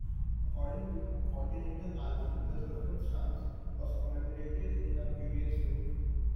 According to "Continental Magazine": "The circumstance was commemorated in a curious way.